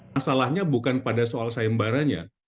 masalahnya bukan pada soal sayembaranya